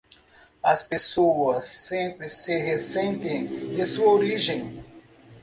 As pessoas sempre se ressentem de sua origem.